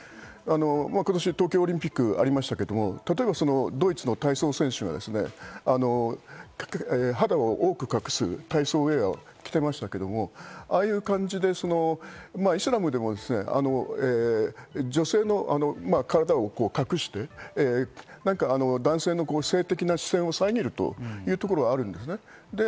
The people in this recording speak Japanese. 今年、東京オリンピックがありましたが、例えばドイツの体操選手が肌を多く隠す体操ウエアを着てましたけど、ああいう感じでイスラムでも女性の体を隠して、男性の性的な視線を遮るというところがあるんですね。